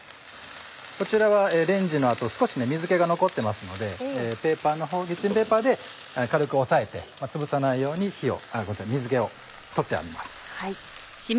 こちらはレンジの後少し水気が残ってますのでキッチンペーパーで軽く押さえてつぶさないように水気を取ってあります。